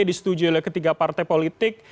disetujui oleh ketiga partai politik